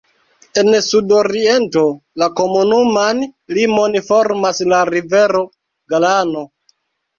En sudoriento la komunuman limon formas la rivero Glano.